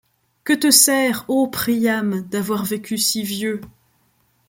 Que te sert, ô Priam, d'avoir vécu si vieux ?